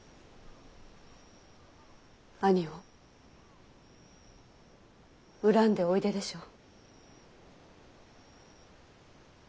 兄を恨んでおいででしょう。